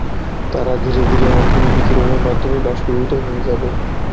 তারা ধীরে ধীরে হকিং বিকিরণের মাধ্যমে বাষ্পীভূত হয়ে যাবে।